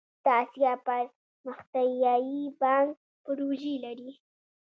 د اسیا پرمختیایی بانک پروژې لري